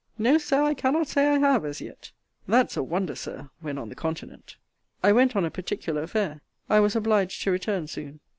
No, Sir, I cannot say I have, as yet. That's a wonder, Sir, when on the continent! I went on a particular affair: I was obliged to return soon.